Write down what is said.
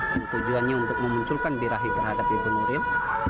yang tujuannya untuk memunculkan birahi terhadap ibu nuril